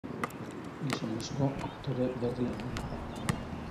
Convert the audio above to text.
Gizonezko aktore berri onena da.